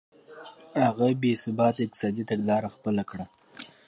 هغه بې ثباته اقتصادي تګلاره خپله کړه.